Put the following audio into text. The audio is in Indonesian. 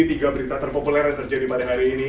tiga berita terpopuler yang terjadi pada hari ini